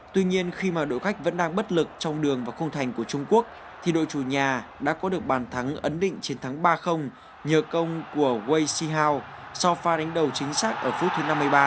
tuy nhiên khi mà đội khách vẫn đang bất lực trong đường và khung thành của trung quốc thì đội chủ nhà đã có được bàn thắng ấn định chiến thắng ba nhờ công của way si hau sau pha đánh đầu chính xác ở phút thứ năm mươi ba